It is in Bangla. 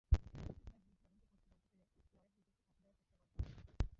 পুলিশ তার বিরুদ্ধে তদন্ত করছে জানতে পেরে লয়েড নিজেকে ফাঁসি দেওয়ার চেষ্টা করে।